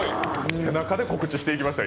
背中で告知していきましたよ。